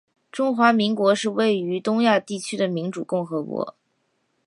中华民国是位于东亚地区的民主共和国